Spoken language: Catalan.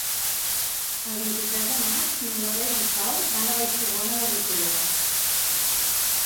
El vint-i-tres de maig na Nora i en Sol van a Vallfogona de Ripollès.